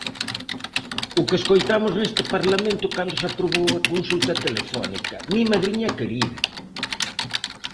¡O que escoitamos neste parlamento cando se aprobou a consulta telefónica!, ¡mi madriña querida!